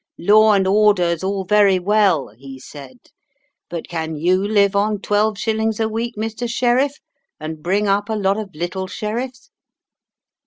"'Law and order's all very well," he said, "but can you live on twelve shillings a week, Mr. Sheriff, and bring up a lot of little sheriffs?'